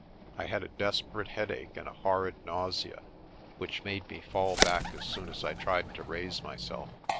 I had a desperate headache and a horrid nausea, which made me fall back as soon as I tried to raise myself.